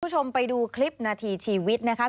คุณผู้ชมไปดูคลิปนาทีชีวิตนะคะ